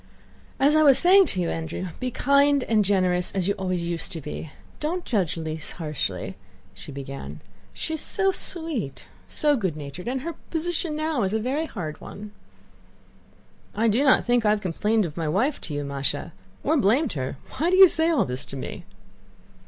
"As I was saying to you, Andrew, be kind and generous as you always used to be. Don't judge Lise harshly," she began. "She is so sweet, so good natured, and her position now is a very hard one." "I do not think I have complained of my wife to you, Másha, or blamed her. Why do you say all this to me?"